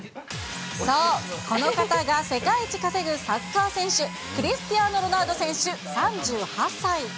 そう、この方が世界一稼ぐサッカー選手、クリスティアーノ・ロナウド選手３８歳。